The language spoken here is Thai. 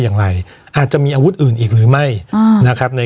วันนี้แม่ช่วยเงินมากกว่า